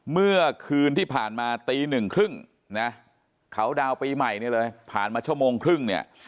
เมื่อคืนที่ผ่านมาตีหนึ่งครึ่งนะเขาดาวน์ปีใหม่เนี่ยเลยผ่านมาชั่วโมงครึ่งเนี่ย